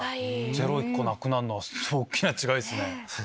ゼロ１個なくなるのは大きな違いっすね。